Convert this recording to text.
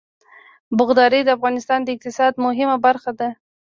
باغداري د افغانستان د اقتصاد مهمه برخه ده.